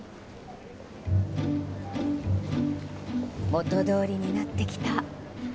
元通りになってきた。